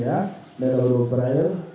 ini adalah buruk brail